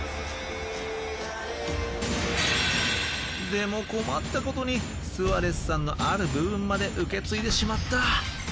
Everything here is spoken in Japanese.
でも困ったことにスアレスさんのある部分まで受け継いでしまった。